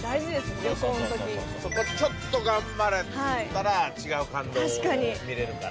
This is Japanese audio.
そこちょっと頑張れたら違う感動が見れるから。